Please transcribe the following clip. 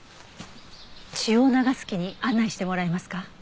血を流す木に案内してもらえますか？